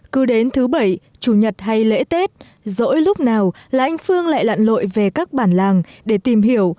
cứ đến thứ bảy chủ nhật hay lễ tết dỗi lúc nào là anh phương lại lặn lội về các bản làng để tìm hiểu